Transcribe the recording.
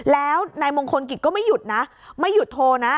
แล้วนายมงคลกิจก็ไม่หยุดนะไม่หยุดโทรนะ